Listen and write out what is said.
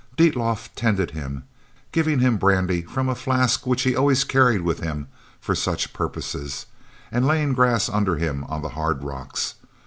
Dietlof tended him, giving him brandy from a flask which he always carried with him for such purposes, and laying grass under him on the hard rocks.